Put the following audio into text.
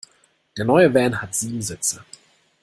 Der neue Van hat sieben Sitze.